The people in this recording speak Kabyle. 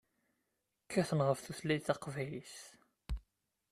Kkaten ɣef tutlayt taqbaylit.